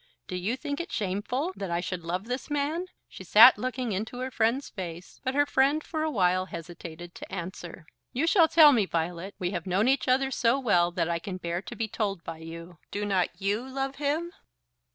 Do you think it shameful that I should love this man?" She sat looking into her friend's face, but her friend for a while hesitated to answer. "You shall tell me, Violet. We have known each other so well that I can bear to be told by you. Do not you love him?"